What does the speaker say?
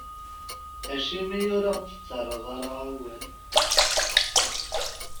Acimi ur aɣ-d-tettarraḍ ara awal?